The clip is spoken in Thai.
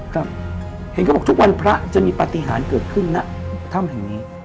ครับเห็นเขาบอกทุกวันพระจะมีปฏิหารเกิดขึ้นณถ้ำแห่งนี้